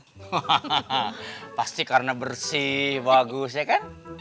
hahaha pasti karena bersih bagus ya kan